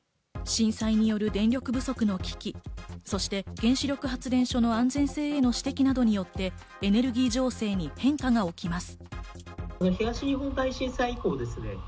震災による電力不足の危機、そして原子力発電所の安全性への指摘などによってエネルギー情勢に変化が起きます。